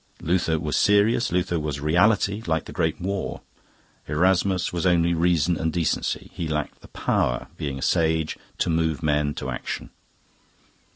Luther was serious, Luther was reality like the Great War. Erasmus was only reason and decency; he lacked the power, being a sage, to move men to action.